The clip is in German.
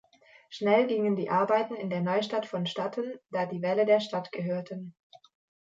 Schnell gingen die Arbeiten in der Neustadt vonstatten, da die Wälle der Stadt gehörten.